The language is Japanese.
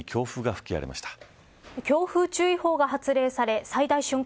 強風注意報が発令され最大瞬間